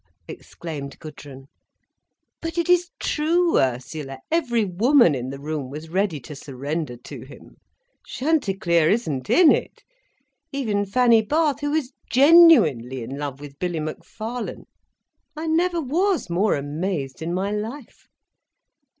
exclaimed Gudrun. "But it is true, Ursula, every woman in the room was ready to surrender to him. Chanticleer isn't in it—even Fanny Bath, who is genuinely in love with Billy Macfarlane! I never was more amazed in my life!